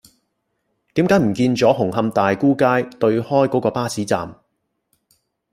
點解唔見左紅磡大沽街對開嗰個巴士站